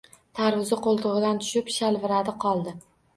Tarvuzi qo‘ltig‘idan tushib shalviradi qoldi.